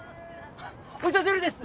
お久しぶりです！